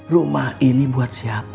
rumah ini buat siapa